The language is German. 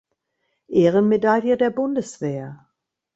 Ehrenmedaille der Bundeswehr